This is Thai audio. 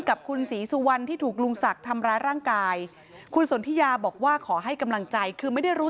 กับคุณศรีสุวรรณที่ถูกลุงศักดิ์